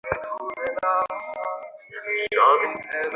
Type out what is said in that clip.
লাভ লোকসানের কথাটাও ভাবতে হয়।